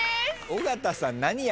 尾形さん。